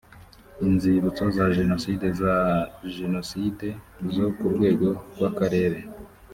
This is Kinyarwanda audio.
inzibutso za jenoside za jenoside zo ku rwego rw akarere